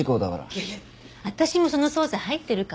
いやいや私もその捜査入ってるから。